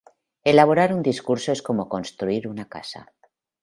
Elaborar un discurso es como construir una casa.